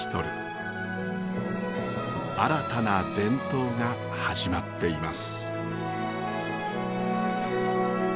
新たな伝統が始まっています。